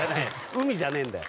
海じゃねえんだよ。